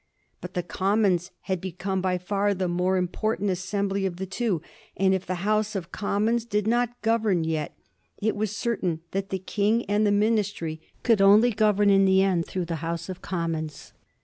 But the Commons had become by far the more important assembly of the two ; and if the House of Commons did not govern yet, it was certain that the King and the Min istry could only govern in the end through the House of Commons.